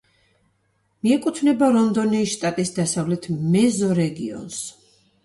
მიეკუთვნება რონდონიის შტატის დასავლეთ მეზორეგიონს.